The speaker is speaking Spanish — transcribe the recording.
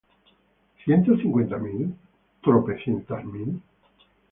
¿ ciento cincuenta mil? ¿ tropecientas mil?